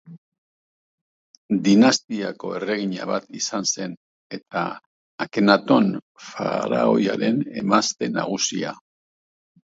Dinastiako erregina bat izan zen, eta Akenaton faraoiaren emazte nagusia.